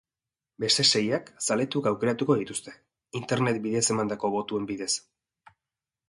Beste seiak, zaletuek aukeratuko dituzte, internet bidez emandako botuen bidez.